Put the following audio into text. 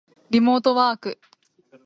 リモートワーク